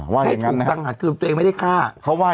ว่าอย่างงั้นนะครับตัวเองไม่ได้ฆ่า